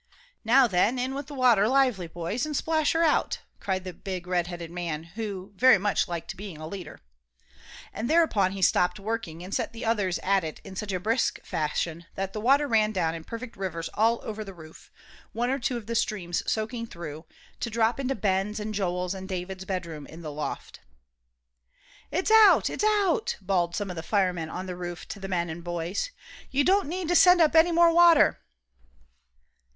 "Now, then, in with the water lively, boys, and splash her out," cried the big red headed man, who very much liked being a leader. And thereupon he stopped working, and set the others at it in such a brisk fashion that the water ran down in perfect rivers all over the roof, one or two of the streams soaking through, to drop into Ben's and Joel's and David's bedroom in the loft. "It's out! It's out!" bawled some of the firemen on the roof to the men and boys. "You don't need to send up any more water."